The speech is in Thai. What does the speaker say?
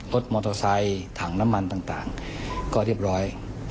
รถมอเตอร์ไซค์ถังน้ำมันต่างก็เรียบร้อย